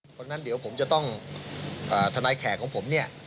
เพราะฉะนั้นเดี๋ยวผมจะต้องทนายแขกของผมเนี่ย